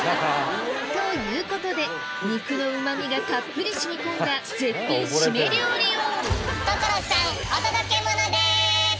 ということで肉のうま味がたっぷり染み込んだ絶品シメ料理を所さんお届けモノです！